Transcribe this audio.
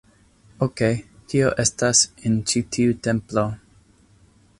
Okej, kio estas en ĉi tiu templo?